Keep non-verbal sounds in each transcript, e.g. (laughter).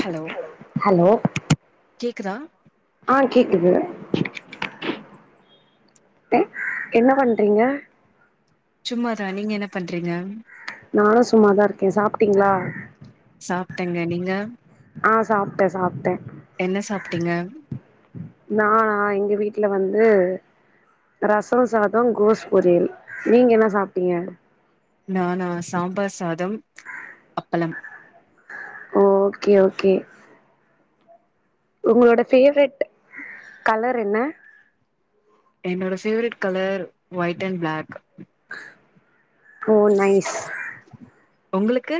Hello hello கேக்குதா ஆ கேக்குது என்ன பண்றீங்க சும்மாதா நீங்க என்ன பண்றீங்க நானு சும்மாதா இருக்கே சாப்ட்டீங்ளா சாப்ட்டங்க நீங்க ஆ சாப்ட்டே சாப்ட்டே என்ன சாப்ட்டீங்க நானா எங்க வீட்ல வந்து ரசோ சாதோ கோஸ் பொரியல் நீங்க என்ன சாப்ட்டீங்க நானா சாம்பார் சாதம் அப்பளம் ஓகே ஒகே ஒங்களோட ஃபேவரட் கலர் என்ன என்னோட favourite colour white and black oh nice உங்களுக்கு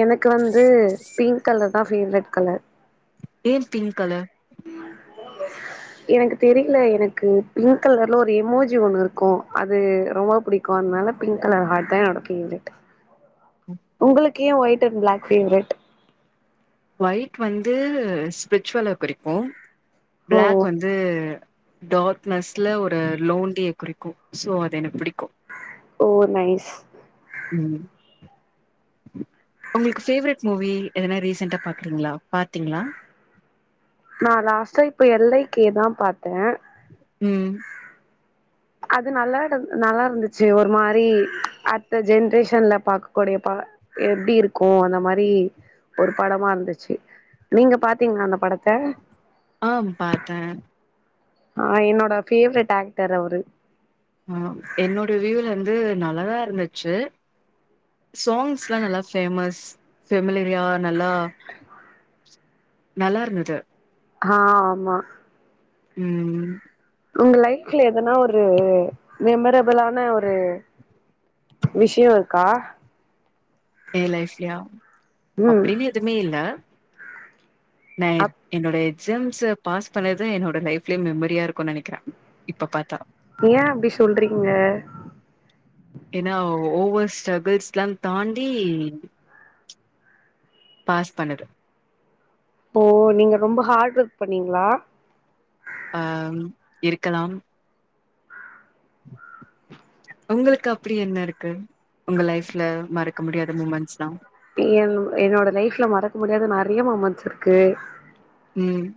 எனக்கு வந்து பிங்க் கலர் தா ஃபேவரெட் கலர் ஏ பிங்க் கலர் (inaudible) எனக்கு தெரில எனக்கு பிங்க் கலர்ல ஒரு எமோஜி ஒண்ணு இருக்கு அது ரொம்ப புடிக் குனால பிங்க் கலர் ஹார்ட் தா என்னோட ஃபேவரட் உங்களுக்கு ஏ white and black favourite white வந்து ஸ்பிரிச்சுவல குறிக்கு ஓ பிளாக் வந் து டார்க்கனஸ்ல ஒரு லோண்லிய குறிக்கு சோ அது எனக்கு பிடிக்கு ஓ நைஸ் ம் உங்களுக்கு ஃபேவரெட் மூவி எதனா ரீசன்டா பாக்குறீங்ளா பாத்தீங்ளா நா லாஸ்ட்டா இப்ப எல் ஐ கே தா பாத்தே ம் அது நல்லா இரு நல்லா இருந்துச்சு ஒரு மாரி அடுத்த ஜென்ரேஷன்ல பாக்க கூடிய ப எப்டி இருக்கு அந்த மாரி ஒரு படமா இருந்துச்சு நீங்க பாத்தீங்ளா அந்த படத்த ஆ பாத்தே ஆ என்னோட ஃபேவரெட் ஆக்டர் அவரு ம் ஆ என்னோட வியூலந்து நல்லதா இருந்துச்சு சாங்ஸ்ல்லா நல்லா ஃபேமஸ் ஃபெமிலரியா நல்லா நல்லாருந்தது ஆ ஆமா ம் உங்க லைஃப்ல எதனா ஒரு மெமரபளான ஒரு விஷயொ இருக்கா ஏ லைஃப்லியா ம் அப்டின்னு எதுமே இல்ல நா அப் என்னோட எக்ஸாம்ஸ பாஸ் பண்ணது என்னோட லைஃப்ல மெமரியா இருக் ஏ அப்டி சொல்றீங்க ஏன்னா ஓவர் ஸ்ட்ரகுள்ஸ்லா தாண்டி பாஸ் பண்ணது ஓ நீங்க ரொம்ப ஹார்ட் ஒர்க் பண்ணீங்ளா ஆ இருக்கலாம் ஒங்களுக்கு அப்டி என்ன இருக்கு உங்க லைஃப்ல மறக்க முடியாத முமெண்ட்ஸ்லா என் என்னோட லைஃப்ல மறக்க முடியாத நெறைய முமண்ட்ஸ் இருக்கு ம்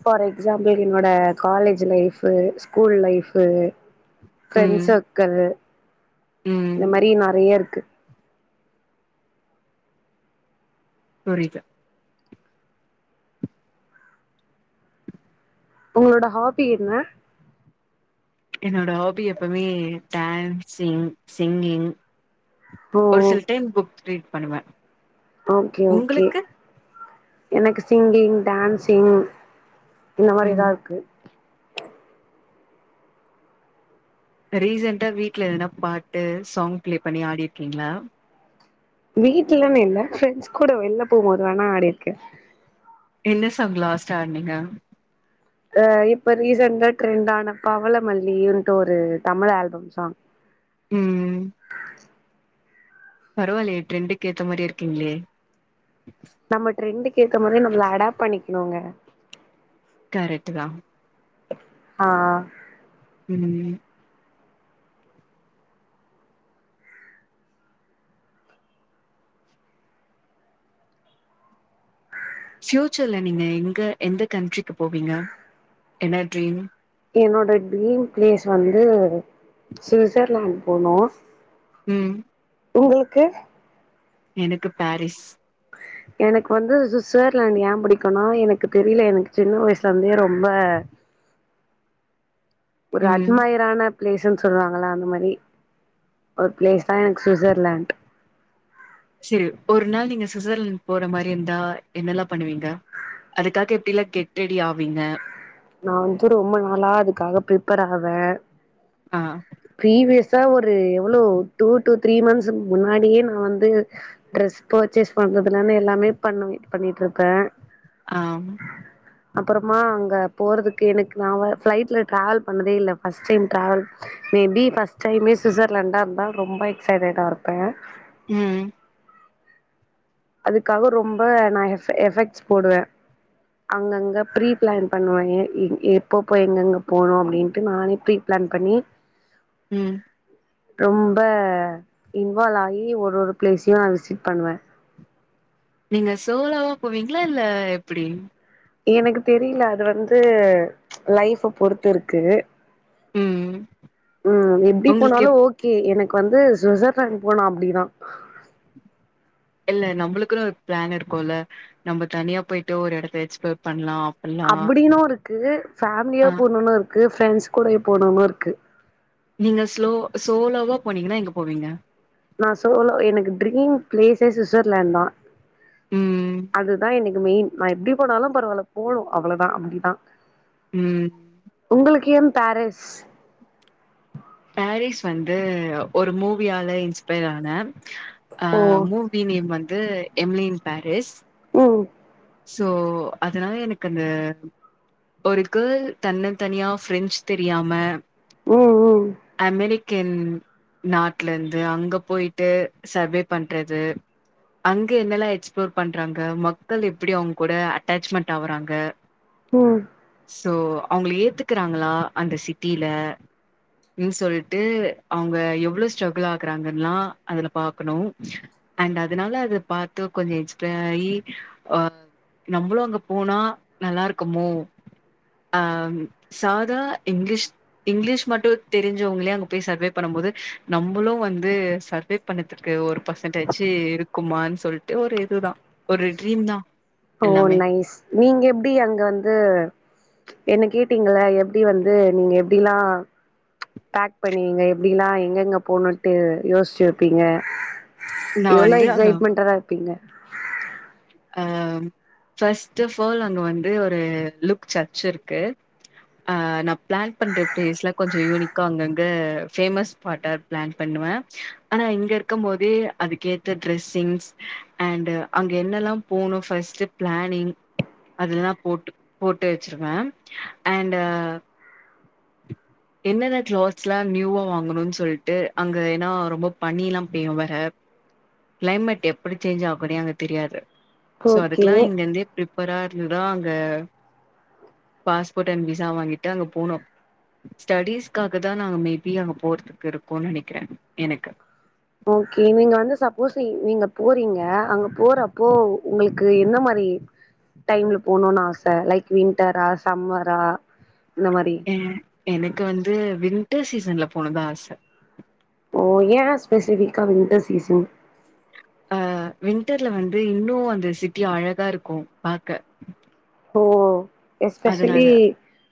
ஃபார் எக்ஸாம்பிள் என்னோட college life school life friend ம் சர்க்கிள் ம் இந்த மாரி நெறைய இருக்கு புரிது உங்களோட ஹாபி என்ன என்னோட ஹாபி எப்பவுமே டான்ஸிங், சிங்கிங். ஓ ஒரு சில டைம் புக் ரீட் பண்ணுவே ஓகே ஓகே உங்களுக்கு எனக்கு சிங்கிங் டான்சிங் இந்த ம் மாரிதா இருக்கு இப்ப ரீசண்டா வீட்ல எதுனா பாட்டு சாங் பிளே பண்ணி ஆடிருக்கீங்களா வீட்டு்ல்லன்னு இல்ல ஃப்ரெண்ட்ஸ் கூட வெளில போகும் போது வேணா ஆடிருக்கே என்ன சாங் லாஸ்டா ஆடுனீங்க அ இப்ப ரீசெண்டா ட்ரெண்ட் ஆன பவளமல்லின்ட்டு ஒரு தமிழ் ஆல்பம் சாங் ம் பரவா இல்லயே டிரெண்டுக்கு ஏத்த மாரியே இருக்கீங்களே நம்ம ட்ரெண்டுக்கு ஏத்த மாதரி நம்மள அடாப் பண்ணிக்கணுங்க கரெட்டு தா ஆ ஆ ம் ஃபியூச்சர்ல நீங்க எங்க எந்த கண்ட்ரிக்கு போவீங்க என்ன ட்ரீம் என்னோட ட்ரீம் பிளேஸ் வந்து சுவிட்சர்லாண்ட் போனு ம் உங்களுக்கு எனக்கு பாரிஸ் எனக்கு வந்து ஸ்விசர்லான்ட் ஏன் புடிக்குனா எனக்கு தெரில எனக்கு சின்ன வயசு ல இருந்தே ரொம்ப ஒரு ம் அட்மைரான பிளேஸ்ன்னு சொல்லுவாங்கள அந்த மாரி ஒரு பிளேஸ் தா எனக்கு சுவிட்சர்லாண்ட் சேரி ஒரு நாள் நீங்க சுவிட்சர்லாந்து போற மாரி இருந்தா என்னெல்லா பண்ணுவீங்க அதுக்காக எப்டி எல்லா கெட் ரெடி ஆவீங்க நா வந்து ரொம்ப நாளா அதுக்காக ப்ரிப்பேர் ஆவே ஆ ப்ரீவியஸா ஒரு எவ்ளோ டூ டூ த்ரீ மந்த்ஸ் முன்னாடியே நா வந்து ட்ரெஸ் பர்ச்சேஸ் பண்றதுனானு எல்லாமே பண்ணுவே பண்ணிட்டு இருப்பே ஆ அப்புறமா அங்க போறதுக்கு எனக்கு நா ஃபிளைட்ல டிராவல் பண்ணதே இல்ல first time travel maybe first டைமே சுவிட்சர்லாண்டா இருந்தா ரொம்ப எக்சைட்டடா இருப்பே ம் அதுக்காக ரொம்ப நான எஃப எஃபெக்ட்ஸ் போடுவே அங்கங்க ப்ரீ பிளான் பண்ணுவே எ எப்போபோ எங்கங்க போணு அப்டின்ட்டு நானே ப்ரீ பிளான் பண்ணி ம் ரொம்ப இன்வால்வ் ஆகி ஒரு ஒரு பிளேஸையு நா விசிட் பண்ணுவே நீங்க சோலோவா போவீங்களா இல்ல எப்டி எனக்கு தெரில அது வந்து லைஃப பொறுத்து இருக்கு ம். ம் எப்டி உங்களுக்கு போனாலு எப் ஓகே எனக்கு வந்து சுவிட்சர்லாண்ட் போனு அப்டிதா இல்ல நம்மளுக்குன்னு ஒரு பிளான் இருக்குல நம்ம தனியா போயிட்டு ஒரு எடத்த எக்ஸ்ப்ளோர் பண்ணலா அப்படின்னு இருக்கு ஃபேமிலியா ஆ போனுன்னு இருக்கு ஃப்ரெண்ட்ஸ் கூடயு போனுன்னு இருக்கு நீங்க ஸ்லோ சோலோவா போனீங்கன்னா எங்க போவீங்க நா சோலோ எனக்கு டரீம் பிளேஸே சுவிட்சர்லாண்ட் தா ம். அதுதா எனக் மெயின் நா எப்டி போனாலு பரவால்ல போணு அவ்ளோதா அப்டிதா ம் உங்களுக்கு ஏம் பேரிஸ் பேரிஸ் வந்து ஒரு மூவியால இன்ஸ்பையர் ஆ ஓ மூ மூவி நேம் வந்து எம்லின் பேரிஸ் ம் சோ அதனால எனக்கு அந்த ஒரு கேர்ள் தன்னந் தனியா பிரெஞ்சு தெரியாம ம் ம் அமெரிக் கன் நாட்ல இருந்து அங்க போயிட்டு சர்வே பண்றது அங்க என்னெல்லா எக்ஸ்பிளோர் பண்றாங்க மக்கள் எப்டி அவுங்க கூட அட்டாச்மெண்ட் ஆகுறாங்க ம் சோ அவுங்கள ஏத்துக்கறாங்களா அந்த சிட்டில அப்டின் சொல்லிட்டு அவுங்க எவ்ளோ ஸ்ட்ரகுள் ஆகுறாங்கல்லா அதுல பாக்கணு அண்ட் அதனால அத பாத்து கொஞ்சோ இன்ஸ்பயர் ஆயி ஆ நம்மளு அங்க போனா நல்லா இருக்குமோ ஆ சாதா இங்லிஷ் இங்கிலீஷ் மட்டு தெரிஞ்சவங்களே அங்க போய் சர்வே பண்ணும் போது நம்மளு வந்து சர்வே பண்ணத்துக்கு ஒரு பர்சன்டேஜ் இருக்குமானு சொல்லிட்டு ஒரு இதுதா ஒரு ட்ரீம் தா ஓ நைஸ் நீங்க எப்டி அங்க வந்து என்ன கேட்டீங்கள்ல எப்டி வந்து நீங்க எப்டில்லா பேக் பண்வீங்க எப்டில்லா எங்க எங்க போணோ இன்னுட்டு யோசிச்சி வெப்பீங்க நான் எவ்ளோ வந்து அங்க எக்ஸைட்மெண்டற இருப்பீங்க ஆ ஃபஸ்ட் ஆஃப் ஆல் அங்க வந்து ஒரு லுக் சர்ச் இருக்கு ஆ நா பிளான் பண்ற பிளேஸ்லா கொஞ்சோ யூனிக்கா அங்கங்க ஃபேமஸ் ஸ்பாட்டா இரு பிளான் பண்ணுவே ஆனா இங்க இருக்கு போதோ அதுக்கேத்த ட்ரெஸ்ஸிங்ஸ் அண்ட் அங்க என்னல்லா போணு ஃபஸ்ட் பிளானிங் அதெல்லா போட்டு போட்டு வெச்சிருவே அண்டு என்னென்ன கிளாத்ஸ் எல்லா நியூவா வாங்கணும்னு சொல்லிட்டு அங்க ஏன்னா ரொம்ப பனி எல்லா பேயு வேற கிளைமேட் எப்படி சேஞ்ச் ஆகுன்னே அங்க தெரியாது சோ அதுக்கெல்லா ஓகே இங்க இருந்தே பிரிப் பரா இருந்தா அங்க பாஸ்போர்ட் அண்ட் விசா வாங்கிட்டு அங்க போனு ஸ்டடிஸ்க்காக தா நாங்க மேபி அங்க போறதுக்கு இருக்கோன்னு நெனைக்கிறே எனக்கு ஓகே நீங்க வந்து சப்போஸ் நீங்க போறீங்க அங்க போறப்போ உங்களுக்கு எந்த மாரி டைம்ல போணும்னு ஆச லைக் விண்டரா சம்மரா இந்த மாரி அ எனக்கு வந்து வின்டர் சீசன்ல போனுதா ஆச ஓ ஏ ஸ்பெசிபிக்கா வின்டர் சீசன் ஆ வின்டர்ல வந்து இன்னு அந்த சிட்டி அழகா இருக்கு பாக்க ஓ அதனால எஸ்பெஷலி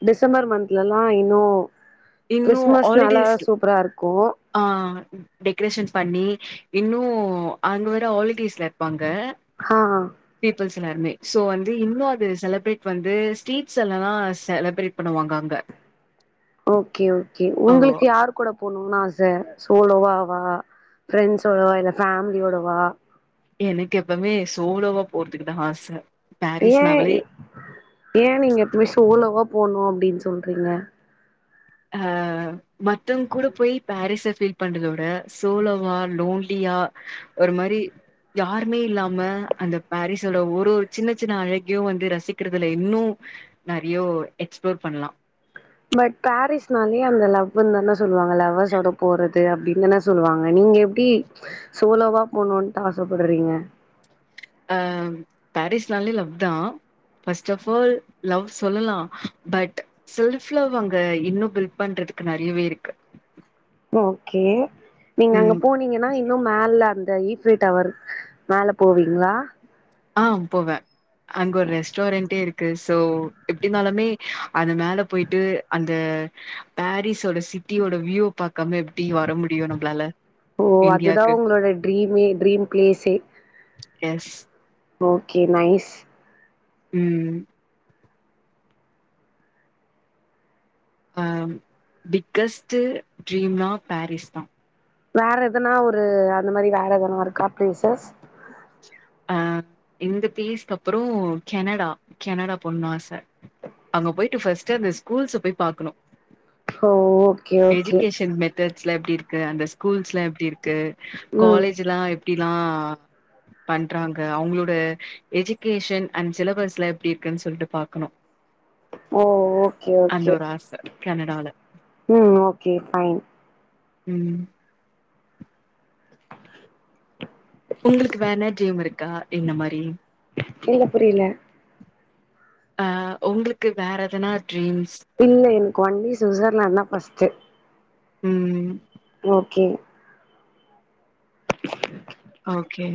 டிசம்பர் மாந்துலல்லா இன்னு இன்னு கிறிஸ்மஸ்னாலா ஹாலிடேஸ்ல சூப்பரா இருக்கும் ஆ டெக்கரேஷன் பண்ணி இன்னு அங்க வேற ஹாலிடேஸ்ல இருப்பாங்க ஆ பீப்பிள்ஸ் எல்லாருமே சோ வந்து இன்னு அது செலிப்ரேட் வந்து ஸ்ட்ரீட்ஸ்ல எல்லா செலப்ரேட் பண்ணுவாங்க அங்க ஓகே ஓகே ஓ உங்களுக்கு யாரு கூட போணுனு ஆசை சோலோவா வா ஃப்ரெண்ட்சோடவா இல்ல ஃபேமிலியோடவா எனக் எப்பமே சோலோவா போறதுக்குதா ஆச ஏன் பாரிஸ்னாவலே ஏன் நீங்க எப்பமே சோலோவா போனு அப்டின் சொல்றீங்க ஆ மத்தவ்ங் கூட போய் பேரிஸா பீல் பண்ற விட சோலோவா லோன்லியா ஒரு மாரி யாருமே இல்லாம அந்த பாரிஸ்ஸோட ஒரு ஒரு சின்ன சின்ன அழகையு வந்து ரசிக்கிறதுல இன்னு நறையோ எக்ஸ்ப்ளோர் பண்லா பட் பேரீஸ்னாலே அந்த லவ்வுன் தான சொல்லுவாங்க லவ்வர்ஸோட போறது அப்டின் தன சொல்லுவாங்க நீங்க எப்டி சோலோவா போணுன்ட்டு ஆசப்படுறீங்க ஆ பேரிஸ்னாலே லவ்தா பஸ்ட்ட வாஃபால் லவ் சொல்லலா பட் செல்ஃப்ல அங்க இன்னும பில்ட் பண்றதுக்கு நெறையவே இருக்கு ஓகே நீங்க அங்க ம் போனீங்கன்னா இன்னும் மேல அந்த ஈஃப்ரீ டவர் மேல போவீங்ளா ஆ போவ அங்க ஒரு ரெஸ்டாரண்டே இருக்கு சோ எப்டினாலுமே அது மேல போய்ட்டு அந்த பேரிஸ்ஸோட சிட்டியோட வியூ பாக்காம எப்டி வர முடியு நம்ளால ஓ அதுதா உங்களோட ட்ரீமே ட்ரீம் பிளேஸே எஸ் ஓகே நைஸ் ம் பிக்கஸ்ட்டு ட்ரீம்னா பேரிஸ் தா வேற எதனா ஒரு அந்த மாரி வேற எதனா இருக்கா பிளேசஸ் ஆ இந்த பீஸ்க்கப்றோ கெனடா கெனடா போணுணு ஆச அங்க பேய்ட்டு ஃபஸ்ட்டு அந்த ஸ்கூல்ஸ போய் பாக்கணு ஹோ எஜுகேஷன் மெத்தட்ஸ்லா எப்டி இருக்கு அந்த ஸ்கூல்ஸ்லா எப்டி இருக்கு ம் காலேஜ்லா எப் டிலா பண்றாங்க அவுங்ளோட எஜிகேஷன் அண்ட் சிலபஸ்லா எப்டி இருக்குன் சொல்டு பாக்கணு ஓ ஓகே அந்த ஓகே ஒரு ஆச கனடால ம் ஓகே ஃபைன் ம் உங்களுக் வேணா ட்ரீம் இருக்கா இந்த மாரி இல்ல புரில அ உங்ளுக்கு வேற எதனா ட்ரீம்ஸ் இல்ல எனக் ஒன்லி சுவிசர்லாண்ட் தா பஸ்ட்டு ம் ஓகே (inaudible) ஓகே